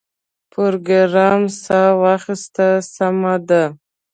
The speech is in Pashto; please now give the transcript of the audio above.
پروګرامر ساه واخیسته سمه ده